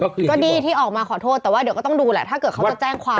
ก็ดีที่ออกมาขอโทษแต่ว่าเดี๋ยวก็ต้องดูแหละถ้าเกิดเขาจะแจ้งความ